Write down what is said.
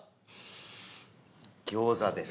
ギョウザです。